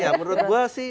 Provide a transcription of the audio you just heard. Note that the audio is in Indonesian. iya menurut gue sih